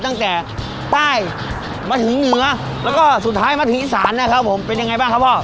ตั้งแต่ใต้มาถึงเหนือแล้วก็สุดท้ายมาถึงอีสานนะครับผมเป็นยังไงบ้างครับพ่อ